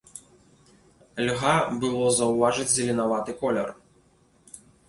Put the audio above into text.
Льга было заўважыць зеленаваты колер.